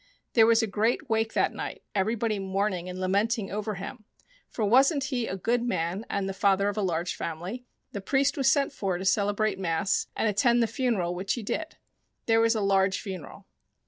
There was a great wake that night, everybody mourning and lamenting over him, for wasn't he a good man and the father of a large family ? The priest was sent for to celebrate mass John Connors and the Fairies 9 and attend the funeral, which he did. There was a large funeral.